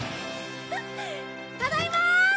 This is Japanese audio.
ただいま！